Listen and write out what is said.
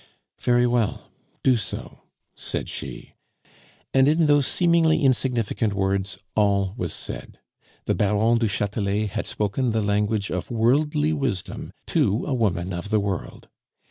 "Very well, do so," said she. And in those seemingly insignificant words, all was said. The Baron du Chatelet had spoken the language of worldly wisdom to a woman of the world.